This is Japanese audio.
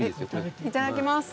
いただきます。